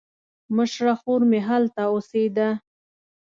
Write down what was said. مشره خور مې هلته اوسېده.